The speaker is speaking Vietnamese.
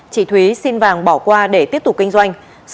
chị thúy xin vàng bỏ qua để tiếp tục kinh doanh